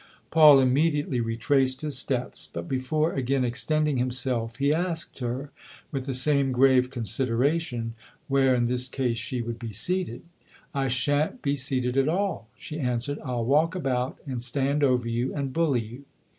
Paul immediately re traced his steps, but before again extending himself he asked her, with the same grave consideration, where in this case she would be seated. " I sha'n't be seated at all," she answered; "Til walk about and stand over you and bully you."